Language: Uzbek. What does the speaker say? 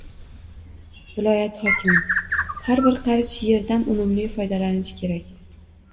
Viloyat hokimi: "Har bir qarich yerdan unumli foydalanish kerak"